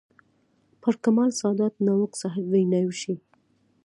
پر کمال سادات، ناوک صاحب ویناوې وشوې.